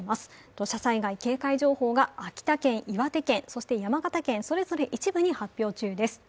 土砂災害警戒情報が秋田県、岩手県、そして秋田県、それぞれ一部に発表中です。